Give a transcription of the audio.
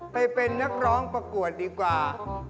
ไปเป็นนักร้องประกวดดีกว่า